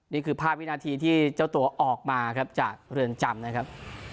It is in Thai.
นี่คือภาพวินาทีที่เจ้าตัวออกมาครับจากเรือนจำนะครับ